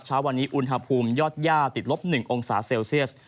เช้าวันนี้อุณหภูมิยอดย่าติดลบ๑องศาเซลเซียส